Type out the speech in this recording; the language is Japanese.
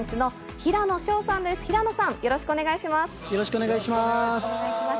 平野さん、よろしくお願いします。